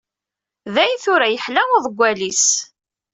Dayen tura, yeḥla uḍeggal-is.